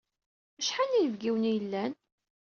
Acḥal n yinebgiwen ay yellan?